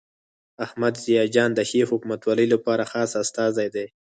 احمد ضیاء جان د ښې حکومتولۍ لپاره خاص استازی دی.